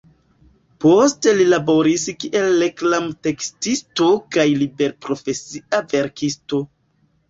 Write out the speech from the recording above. Poste li laboris kiel reklamtekstisto kaj liberprofesia verkisto.